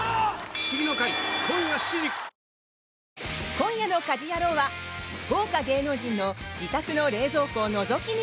今夜の「家事ヤロウ！！！」は豪華芸能人の自宅の冷蔵庫のぞき見